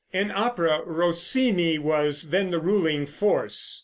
In opera Rossini was then the ruling force.